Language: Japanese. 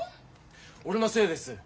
俺のせいです。